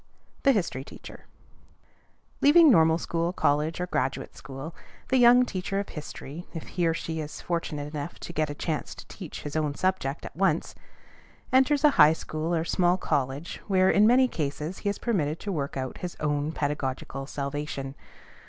THE HISTORY TEACHER. Leaving normal school, college, or graduate school, the young teacher of history, if he or she is fortunate enough to get a chance to teach his own subject at once, enters a high school, or small college, where, in many cases, he is permitted to work out his own pedagogical salvation.